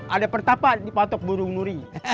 ada pertapa dipotok burung nuri